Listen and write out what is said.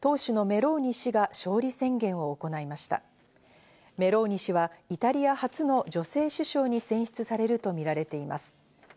メローニ氏はイタリア初の女性首相に選出されるとみられています。